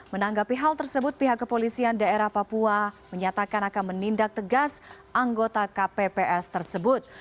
menanggapi hal tersebut pihak kepolisian daerah papua menyatakan akan menindak tegas anggota kpps tersebut